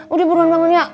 udah buruan bangun ya